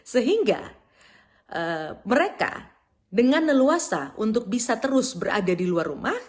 sehingga mereka dengan leluasa untuk bisa terus berada di luar rumah